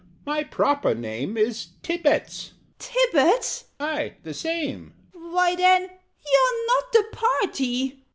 "My proper name Is Tibbets " "Tibbets?" "Aye, the same." "Why, then YOU'RE NOT THE PARTY!"